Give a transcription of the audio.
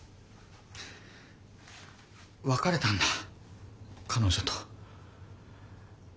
別れたんだ彼女と。